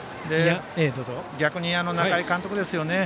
逆に、仲井監督ですよね。